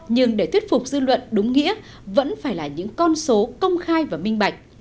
nhưng để thuyết phục dư luận đúng nghĩa vẫn phải là những con số công khai và minh bạch